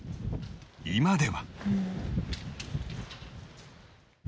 今では